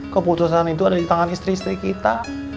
keputusan itu ada di tangan istri istri kita